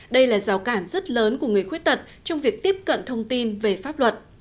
đây là rào cản rất lớn của người khuyết tật trong việc tiếp cận thông tin về pháp luật